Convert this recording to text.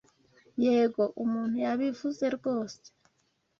Yego, umuntu yabivuze rwose.